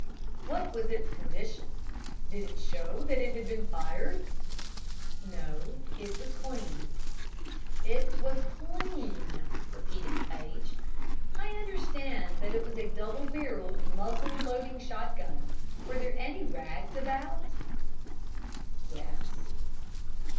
"What was its condition? Did it show that it had been fired?" "No; it was clean." "It was clean," repeated Paige. "I understand that it was a double barreled, muzzle loading shotgun. Were there any rags about?" "Yes."